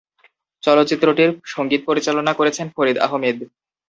চলচ্চিত্রটির সঙ্গীত পরিচালনা করেছেন ফরিদ আহমেদ।